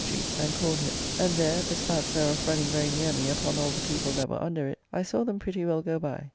] at the end of Gracious street and Cornhill; and there (the spouts thereof running very near me upon all the people that were under it) I saw them pretty well go by.